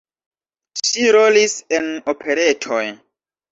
Ŝi rolis en operetoj.